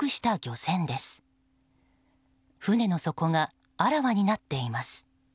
船の底があらわになっています。